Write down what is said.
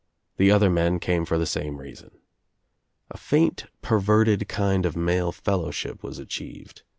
The other men came for the same reason. A faint perverted kind of male fellowship was achieved.